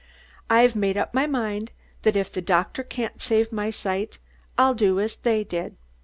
"I've made up my mind that if the doctor can't save my sight I'll do as they did.